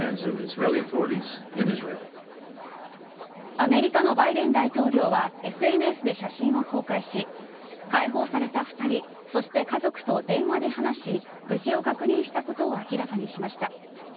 アメリカのバイデン大統領はＳＮＳで写真を公開し解放された２人そして家族と電話で話し無事を確認したことを明らかにしました。